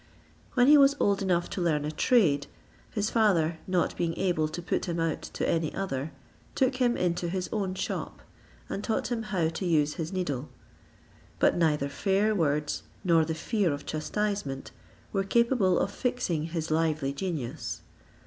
When he was old enough to learn a trade, his father not being able to put him out to any other, took him into his own shop, and taught him how to use his needle: but neither fair words nor the fear of chastisement were capable of fixing his lively genius.